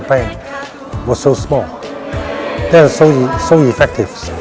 bank tentu itu sangat kegiatan